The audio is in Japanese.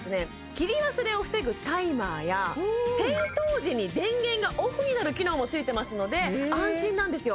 切り忘れを防ぐタイマーや転倒時に電源がＯＦＦになる機能もついてますので安心なんですよ